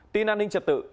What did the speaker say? tin an ninh trật tự